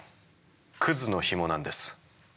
クズのヒモなんです。